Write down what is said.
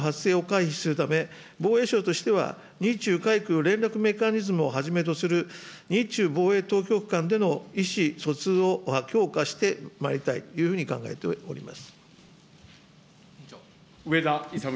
また、不測の事態の発生を回避するため、防衛省としては、日中海空連絡メカニズムをはじめとする日中防衛当局間での意思疎通を強化してまいりたいというふうに考えております。